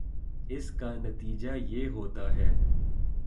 اس کا نتیجہ یہ ہوتا ہے